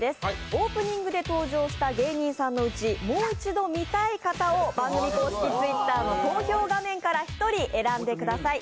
オープニングで登場した芸人さんのうちもう一度見たい方を番組公式Ｔｗｉｔｔｅｒの投票画面から１人選んでください。